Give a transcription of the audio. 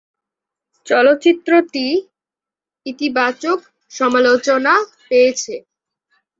চলচ্চিত্রটি ইতিবাচক সমালোচনা পেয়েছে।